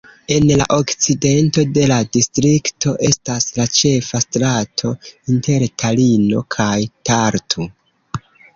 En la okcidento de la distrikto estas la ĉefa strato inter Talino kaj Tartu.